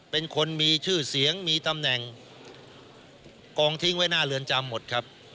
เป็นคนมีชื่อเสียงมีตำแหน่งกองทิ้งไว้หน้าเรือนจำหมดครับ